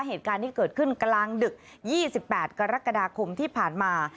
เหตุการณ์ที่เกิดขึ้นกลางดึก๒๘กรกฎาคมที่ผ่านมา